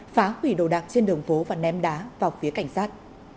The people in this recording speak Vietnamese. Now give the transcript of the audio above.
phá hủy đồ đạc trên đường phố và ném đá vào phía cảnh sát